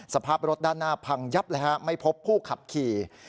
สภาพรถด้านหน้าพังยับเลยฮะไม่พบผู้ขับขี่